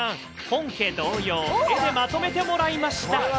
本家同様、絵でまとめてもらいました。